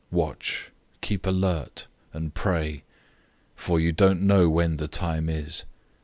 013:033 Watch, keep alert, and pray; for you don't know when the time is.